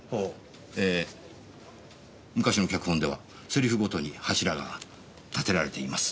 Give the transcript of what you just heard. ええ昔の脚本では台詞ごとにハシラが立てられています。